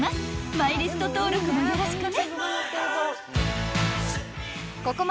マイリスト登録もよろしくね］